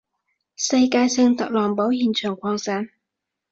世界性特朗普現象擴散